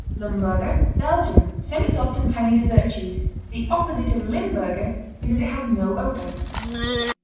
Lumburger Belgium Semisoft and tangy dessert cheese. The opposite of Limburger because it has no odor.